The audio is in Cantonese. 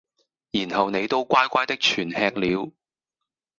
然後你都乖乖的全吃了。